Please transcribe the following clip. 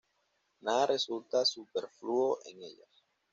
Nada resulta superfluo en ellas.